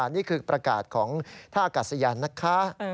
นี่คือประกาศของท่าอากาศยานนะคะ